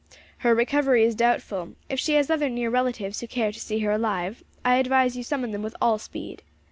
"Her recovery is doubtful. If she has other near relatives who care to see her alive, I advise you to summon them with all speed."